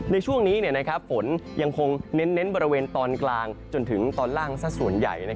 ในช่วงนี้ฝนยังคงเน้นบริเวณตอนกลางจนถึงตอนล่างสักส่วนใหญ่